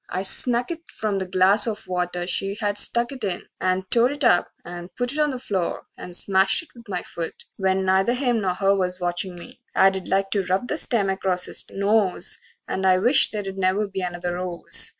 I snuck it from the glass of water she Had stuck it in, and tore it up and put It on the floor and smashed it with my foot, When neither him nor her was watchin' me I'd like to rub the stem acrost his nose, And I wish they'd never be another rose.